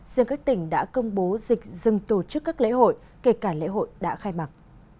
riêng các tỉnh đã công bố dịch dừng tổ chức các lễ hội kể cả lễ hội đã khai mạc